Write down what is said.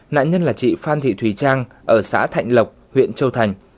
nạn nhân là chị phan thị thùy trang ở xã thạnh lộc huyện châu thành